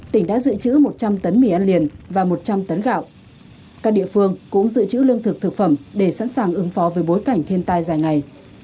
tỉnh đã dự trữ một trăm linh tấn mì ăn liền và một trăm linh tấn gạo các địa phương cũng dự trữ lương thực thực phẩm để sẵn sàng ứng phó với bối cảnh thiên tai dài ngày